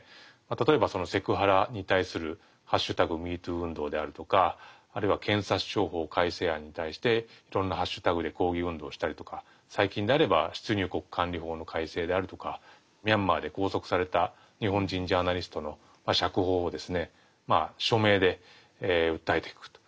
例えばセクハラに対する「＃ＭｅＴｏｏ運動」であるとかあるいは検察庁法改正案に対していろんなハッシュタグで抗議運動したりとか最近であれば出入国管理法の改正であるとかミャンマーで拘束された日本人ジャーナリストの釈放を署名で訴えていくと。